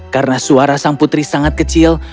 karena suara sang putri sangat kecil